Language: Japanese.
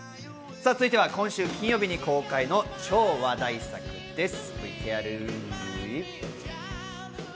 続いては今週金曜日に公開の超話題作です。